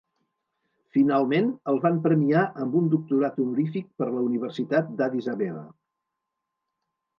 Finalment, el van premiar amb un doctorat honorífic per la Universitat d'Addis Abeba.